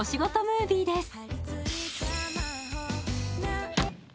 ムービーです。